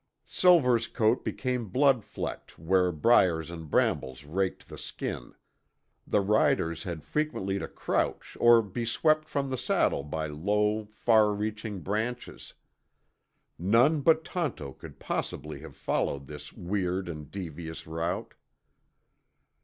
Silver's coat became blood flecked where briars and brambles raked the skin. The riders had frequently to crouch or be swept from the saddle by low, far reaching branches. None but Tonto could possibly have followed this weird and devious route.